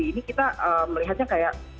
ini kita melihatnya kayak